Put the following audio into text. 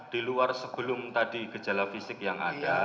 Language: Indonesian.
di luar sebelum tadi gejala fisik yang ada